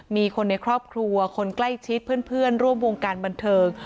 มีคนในครอบครัวคนใกล้ชิดเพื่อนร่วมวงการบันเทิง